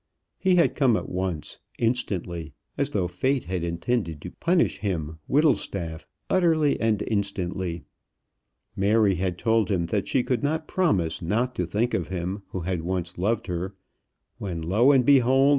He had come at once instantly as though fate had intended to punish him, Whittlestaff, utterly and instantly. Mary had told him that she could not promise not to think of him who had once loved her, when, lo and behold!